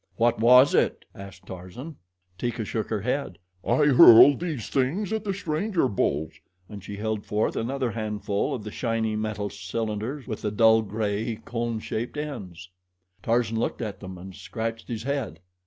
"What was it?" asked Tarzan. Teeka shook her head. "I hurled these at the stranger bulls," and she held forth another handful of the shiny metal cylinders with the dull gray, cone shaped ends. Tarzan looked at them and scratched his head.